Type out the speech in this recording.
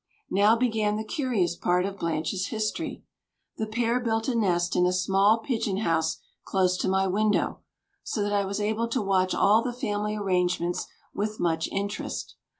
Now began the curious part of Blanche's history. The pair built a nest in a small pigeon house close to my window, so that I was able to watch all the family arrangements with much interest.